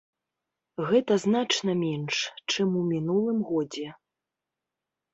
Гэта значна менш, чым у мінулым годзе.